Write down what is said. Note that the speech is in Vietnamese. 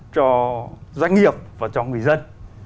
cho doanh nghiệp và cho người dân